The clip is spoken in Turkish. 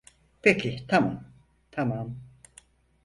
Peki, tamam, tamam.